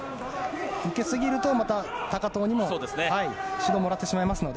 受けすぎると、高藤も指導をもらってしまいますので。